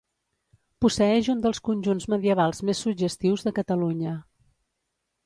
Posseeix un dels conjunts medievals més suggestius de Catalunya.